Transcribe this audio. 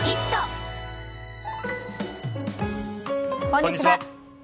こんにちは。